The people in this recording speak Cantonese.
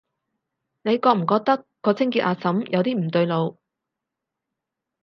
你覺唔覺個清潔阿嬸有啲唔對路？